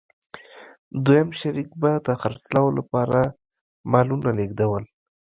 دویم شریک به د خرڅلاو لپاره مالونه لېږدول